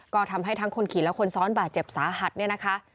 ก็ทำให้ทั้งคนขี่และคนซ้อนบาดเจ็บสาหัสเนี่ยนะคะ